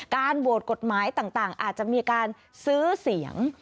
โหวตกฎหมายต่างอาจจะมีการซื้อเสียง